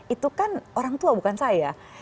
itu kan orang tua bukan saya